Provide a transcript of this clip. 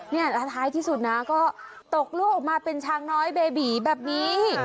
เนี่ยแล้วท้ายที่สุดนะก็ตกลูกออกมาเป็นช้างน้อยเบบีแบบนี้